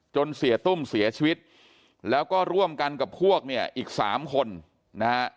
เสียตุ้มเสียชีวิตแล้วก็ร่วมกันกับพวกเนี่ยอีกสามคนนะฮะ